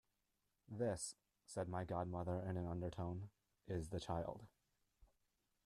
"This," said my godmother in an undertone, "is the child."